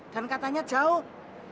dan katanya jauh